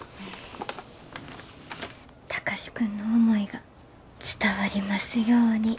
貴司君の思いが伝わりますように。